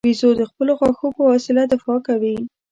بیزو د خپلو غاښو په وسیله دفاع کوي.